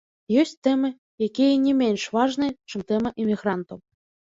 Ёсць тэмы, якія не менш важныя, чым тэма імігрантаў.